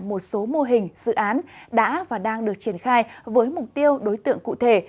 một số mô hình dự án đã và đang được triển khai với mục tiêu đối tượng cụ thể